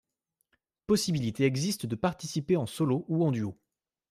Possibilité existe de participer en solo ou en duo.